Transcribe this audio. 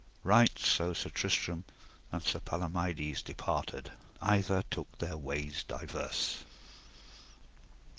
Right so Sir Tristram and Sir Palomides departed, and either took their ways diverse.